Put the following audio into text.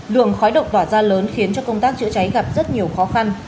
lượng khói độc tỏa ra lớn khiến cho công tác chữa cháy gặp rất nhiều khó khăn